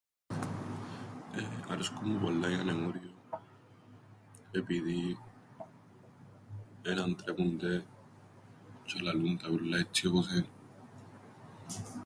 Αρέσκουν μου πολλά οι Ανεμούριο, επειδή εν αντρέπουνται τζ̆αι λαλούν τα ούλλα έτσι όπως ένι.